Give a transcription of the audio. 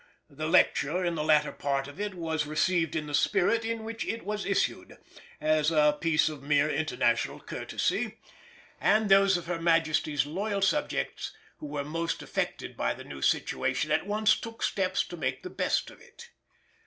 The lecture in the latter part of it was received in the spirit in which it was issued—as a piece of mere international courtesy; and those of Her Majesty's loyal subjects who were most affected by the new situation at once took steps to make the best of it.